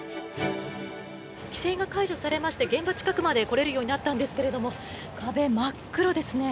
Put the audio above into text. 規制が解除されまして現場近くまで来れるようになったんですけれど壁、真っ黒ですね。